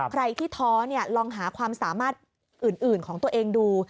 ใครที่ท้อลองหาความสามารถอื่นของตัวเองดู